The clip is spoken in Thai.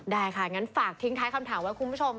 ได้ค่ะงั้นฝากทิ้งท้ายคำถามไว้คุณผู้ชม